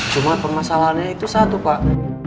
cuma permasalahannya itu satu pak